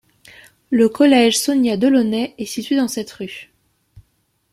Le collège Sonia-Delaunay est situé dans cette rue.